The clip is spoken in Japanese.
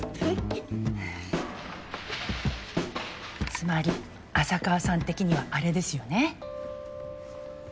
つまり浅川さん的にはあれですよね。